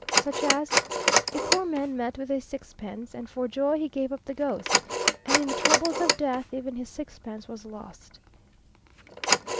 Such as A poor man met with a sixpence, And for joy he gave up the ghost. And in the troubles of death, Even his sixpence was lost.